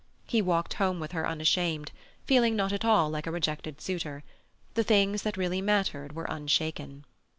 He walked home with her unashamed, feeling not at all like a rejected suitor. The things that really mattered were unshaken.